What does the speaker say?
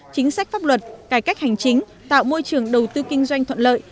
chính sách pháp luật cải cách hành chính tạo môi trường đầu tư kinh doanh thuận lợi